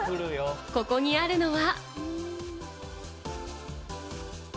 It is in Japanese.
ここにあるのは。